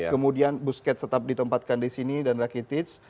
kemudian busquets tetap ditempatkan di sini dan rakitic